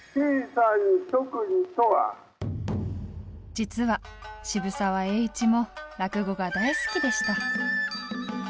実は渋沢栄一も落語が大好きでした。